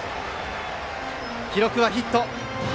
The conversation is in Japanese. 記録はヒット。